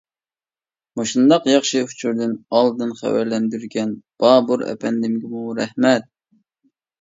مۇشۇنداق ياخشى ئۇچۇردىن ئالدىن خەۋەرلەندۈرگەن بابۇر ئەپەندىمگىمۇ رەھمەت.